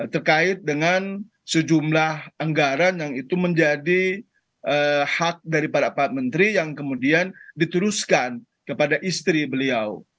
terkait dengan sejumlah anggaran yang itu menjadi hak daripada pak menteri yang kemudian diteruskan kepada istri beliau